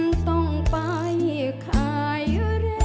เพลงที่สองเพลงมาครับ